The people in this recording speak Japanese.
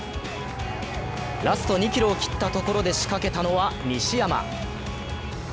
ラスト２ｋｍを切ったところで仕掛けたのは西山。